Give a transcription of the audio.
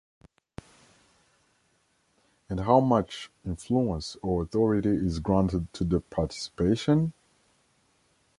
And how much influence or authority is granted to the participation?